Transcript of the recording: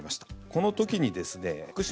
この時にですね福島